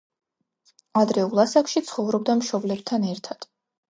ადრეულ ასაკში ცხოვრობდა მშობლებთან ერთად.